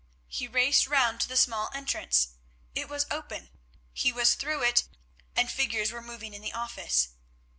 He raced round to the small entrance; it was open—he was through it, and figures were moving in the office.